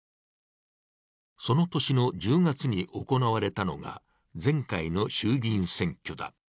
その年の１０月に行われたのが前回の衆議院選挙だ。